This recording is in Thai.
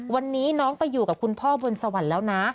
วันนี้น้องไปอยู่กับคุณพ่อบนสวรรค์แล้วนะ